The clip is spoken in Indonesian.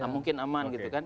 mungkin aman gitu kan